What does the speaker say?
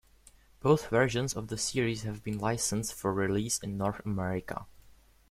Both versions of the series have been licensed for release in North America.